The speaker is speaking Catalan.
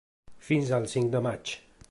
Fins al cinc de maig.